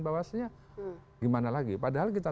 bawasnya gimana lagi padahal kita